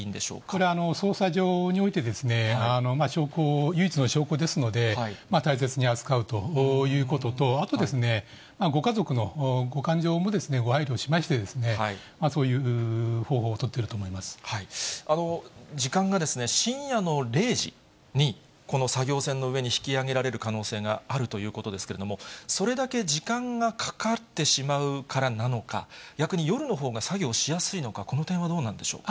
これ、捜査上において、唯一の証拠ですので、大切に扱うということと、あと、ご家族のご感情もご配慮しましてですね、そういう方法を取ってる時間が深夜の０時に、この作業船の上に引き揚げられる可能性があるということですけれども、それだけ時間がかかってしまうからなのか、逆に、夜のほうが作業しやすいのか、この点はどうなんでしょう。